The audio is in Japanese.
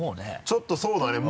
ちょっとそうだね